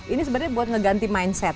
ini sebenarnya buat ngeganti mindset